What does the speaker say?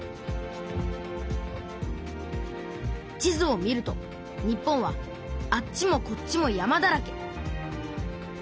地図を見ると日本はあっちもこっちも山だらけ